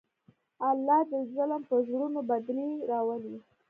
الله د ظلم په زړونو بدلې راولي.